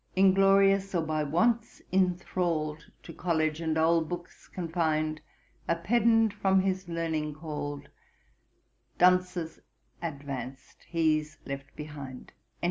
'Inglorious or by wants inthralled, To college and old books confined, A pedant from his learning called, Dunces advanced, he's left behind.'